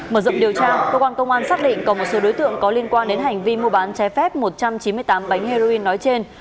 mở rộng điều tra cơ quan công an xác định có một số đối tượng có liên quan đến hành vi mua bán trái phép một trăm chín mươi tám bánh heroin nói trên